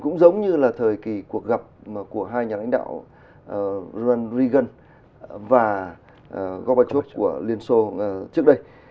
cũng giống như là thời kỳ cuộc gặp của hai nhà lãnh đạo ronald reagan và gorbachev của liên xô trước đây